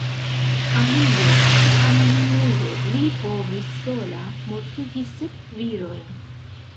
Alie, kiamaniere li povis sola mortigi sep virojn?